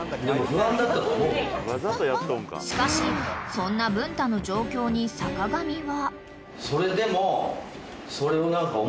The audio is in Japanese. ［そんな文太の状況に坂上は］